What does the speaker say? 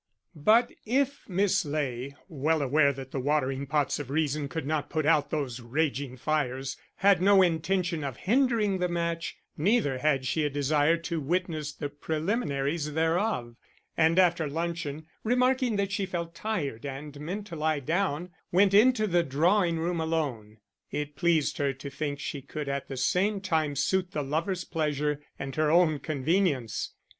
But if Miss Ley, well aware that the watering pots of reason could not put out those raging fires, had no intention of hindering the match, neither had she a desire to witness the preliminaries thereof; and after luncheon, remarking that she felt tired and meant to lie down, went into the drawing room alone. It pleased her to think she could at the same time suit the lovers' pleasure and her own convenience.